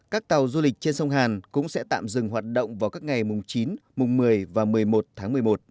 các tàu du lịch trên sông hàn cũng sẽ tạm dừng hoạt động vào các ngày mùng chín mùng một mươi và một mươi một tháng một mươi một